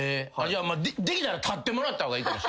じゃあできたら立ってもらった方がいいかも。